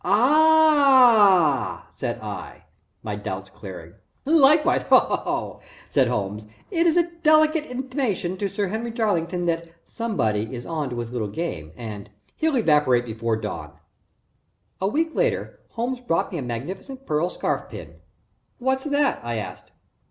"Aha!" said I, my doubts clearing. "Likewise Ho ho," said Holmes. "It is a delicate intimation to Sir Henry Darlington that somebody is on to his little game, and he'll evaporate before dawn." A week later, Holmes brought me a magnificent pearl scarf pin. "What's that?" I asked.